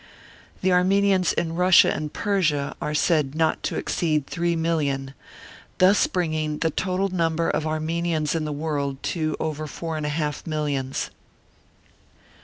The Armenians in Russia and Persia are said not to exceed 3,000,000, thus bring ing the total number of Armenians in the world to over four and a half millions.